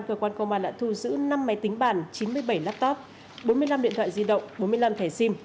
cơ quan công an đã thu giữ năm máy tính bản chín mươi bảy laptop bốn mươi năm điện thoại di động bốn mươi năm thẻ sim